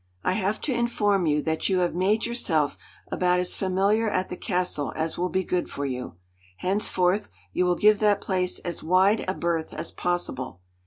I have to inform you that you have made yourself about as familiar at the castle as will be good for you. Henceforth you will give that place as wide a berth as possible.